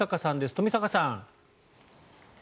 冨坂さん。